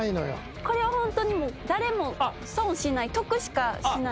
これはホントに誰も損しない得しかしない。